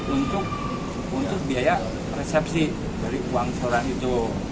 untuk biaya resepsi dari uang serang itu